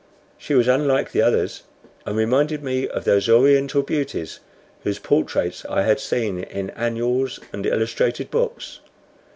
She was unlike the others, and reminded me of those Oriental beauties whose portraits I had seen in annuals and illustrated books.